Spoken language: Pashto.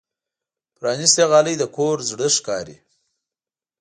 پرانستې غالۍ د کور زړه ښکاري.